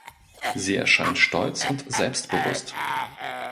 Sie erscheint stolz und selbstbewusst.